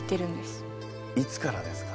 いつからですか？